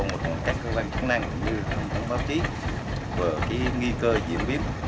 và các cơ quan chống năng như thông tin báo chí về nghi cơ diễn biến